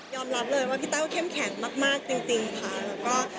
ยอมรับเลยว่าพี่แต้วเข้มแข็งมากจริงค่ะ